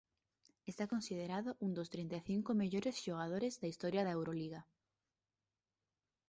Está considerado un dos trinta e cinco mellores xogadores da historia da Euroliga.